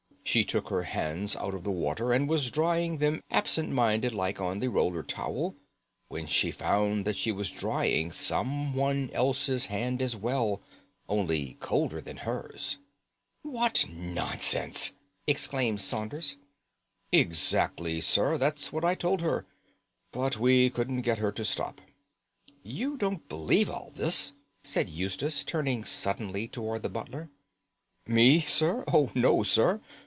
She took her hands out of the water and was drying them absent minded like on the roller towel, when she found that she was drying someone else's hand as well, only colder than hers." "What nonsense!" exclaimed Saunders. "Exactly, sir; that's what I told her; but we couldn't get her to stop." "You don't believe all this?" said Eustace, turning suddenly towards the butler. "Me, sir? Oh, no, sir!